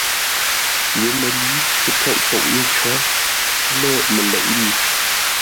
YEMƏLǏ kə tsôʼ poʼ yé có, lə̂ məleʼé mi.